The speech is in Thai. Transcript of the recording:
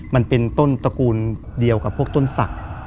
มันเป็นต้นตระกูลเดียวกับพวกต้นศักดิ์